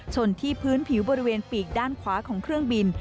ชนที่พื้นผิวบริเวณปีกด้านขวาของเครื่องบิน